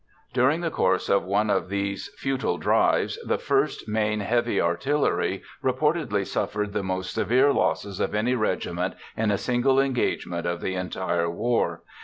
During the course of one of these futile drives, the 1st Maine Heavy Artillery reportedly suffered the most severe losses of any regiment in a single engagement of the entire war.